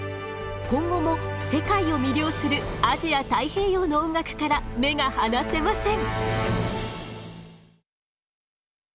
今後も世界を魅了するアジア太平洋の音楽から目が離せません。